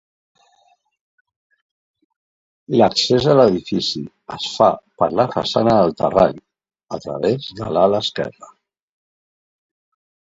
L'accés a l'edifici es fa per la façana del Terrall, a través de l'ala esquerra.